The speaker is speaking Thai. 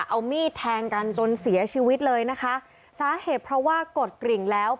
เอามีดแทงกันจนเสียชีวิตเลยนะคะสาเหตุเพราะว่ากดกริ่งแล้ว